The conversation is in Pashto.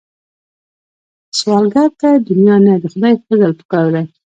سوالګر ته د دنیا نه، د خدای فضل پکار دی